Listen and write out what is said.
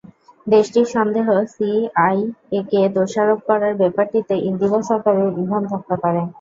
দেশটির সন্দেহ, সিআইএকে দোষারোপ করার ব্যাপারটিতে ইন্দিরা সরকারের ইন্ধন থাকতে পারে।